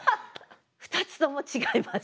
２つとも違います。